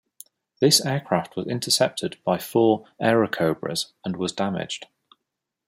This aircraft was intercepted by four Airacobras and was damaged.